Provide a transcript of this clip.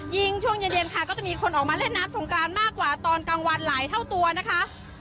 ช่วงเย็นค่ะก็จะมีคนออกมาเล่นน้ำสงกรานมากกว่าตอนกลางวันหลายเท่าตัวนะคะ